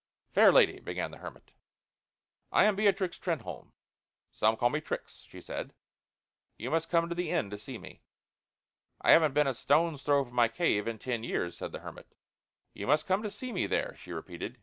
"Fair lady " began the hermit. "I am Beatrix Trenholme some call me Trix," she said. "You must come to the inn to see me." "I haven't been a stone's throw from my cave in ten years," said the hermit. "You must come to see me there," she repeated.